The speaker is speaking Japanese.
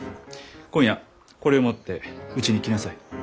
今夜これを持ってうちに来なさい。